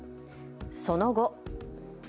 その後。